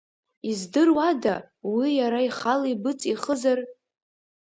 Издыруада, уи иара ихала ибыҵихызар?